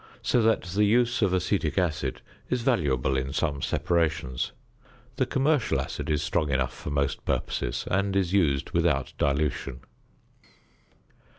so that the use of acetic acid is valuable in some separations. The commercial acid is strong enough for most purposes, and is used without dilution.